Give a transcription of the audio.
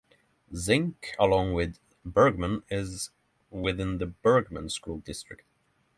Zinc, along with Bergman, is within the Bergman School District.